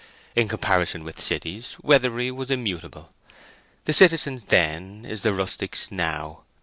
In comparison with cities, Weatherbury was immutable. The citizen's Then is the rustic's Now.